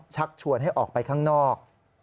ชักชวนให้ออกไปข้างนอก